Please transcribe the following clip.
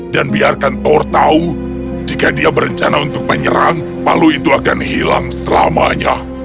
dan biarkan thor tahu jika dia berencana untuk menyerang palu itu akan hilang selamanya